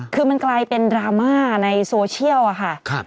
คือมันกลายเป็นดราม่าในโซเชียลค่ะ